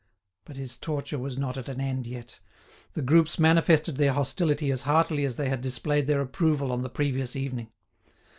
But his torture was not at an end yet. The groups manifested their hostility as heartily as they had displayed their approval on the previous evening.